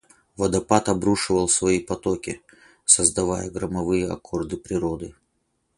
Водопад обрушивал свои потоки, создавая громовые аккорды природы.